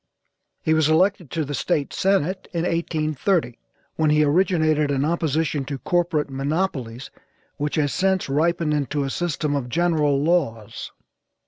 He was elected to the State senate in 1830, when he originated an opposition to corporate monopolies which has since ripened into a system of general laws.